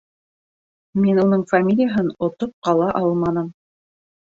Мин уның фамилияһын отоп ҡала алманым